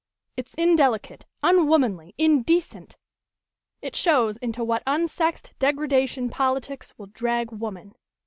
"It's indelicate, unwomanly, indecent. It shows into what unsexed degradation politics will drag woman.